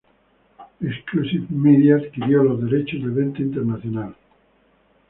Exclusive Media adquirió los derechos de venta internacional.